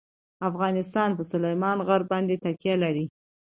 افغانستان په سلیمان غر باندې تکیه لري.